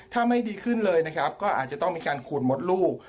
ถ้าไม่ดีขึ้นเลยนะครับก็อาจจะต้องมีการขูดมดลูก